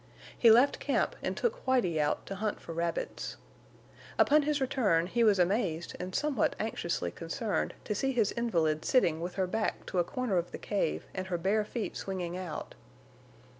He left camp and took Whitie out to hunt for rabbits. Upon his return he was amazed and somewhat anxiously concerned to see his invalid sitting with her back to a corner of the cave and her bare feet swinging out.